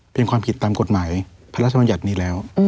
เป็นความผิดตามกฎหมายพระราชบัญญัตินี้แล้ว